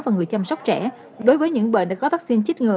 và người chăm sóc trẻ đối với những bệnh đã có vaccine chích ngừa